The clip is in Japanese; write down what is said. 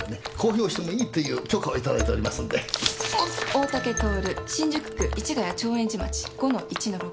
大竹徹新宿区市谷長延寺町５の１の６。